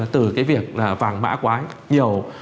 từ cái việc là vàng mã quá nhiều